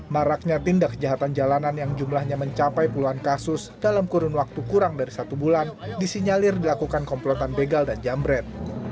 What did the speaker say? maraknya tindak kejahatan jalanan yang jumlahnya mencapai puluhan kasus dalam kurun waktu kurang dari satu bulan disinyalir dilakukan komplotan begal dan jambret